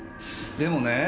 でもね